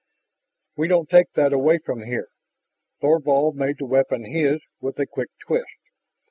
"We don't take that away from here." Thorvald made the weapon his with a quick twist.